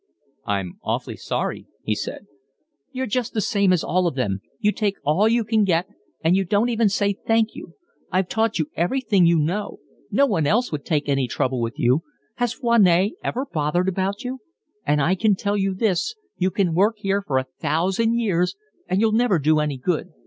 "I'm awfully sorry," he said. "You're just the same as all of them. You take all you can get, and you don't even say thank you. I've taught you everything you know. No one else would take any trouble with you. Has Foinet ever bothered about you? And I can tell you this—you can work here for a thousand years and you'll never do any good.